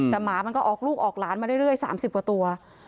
แต่หมามันก็ออกลูกออกหลานมาเรื่อย๓๐กว่าตัว